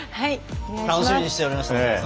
楽しみにしておりました。